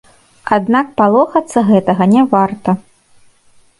Аднак палохацца гэтага не варта.